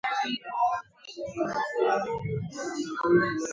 Wanatazama televisheni na video za muziki kwa muda mrefu a